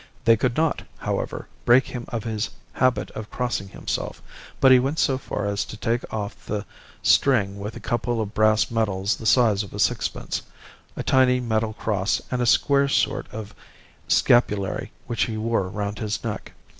They could not, however, break him of his habit of crossing himself, but he went so far as to take off the string with a couple of brass medals the size of a sixpence, a tiny metal cross, and a square sort of scapulary which he wore round his neck.